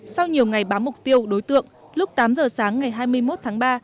sau nhiều ngày bám mục tiêu đối tượng lúc tám giờ sáng ngày hai mươi một tháng ba